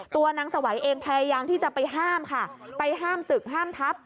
ตัวนางสวัยเองพยายามที่จะไปห้ามค่ะไปห้ามศึกห้ามทับ